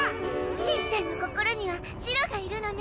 しんちゃんの心にはシロがいるのね。